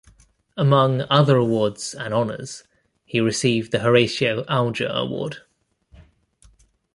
Among other awards and honors, he received the Horatio Alger Award.